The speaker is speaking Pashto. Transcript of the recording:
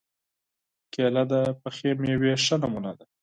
کېله د پخې مېوې ښه نمونه ده.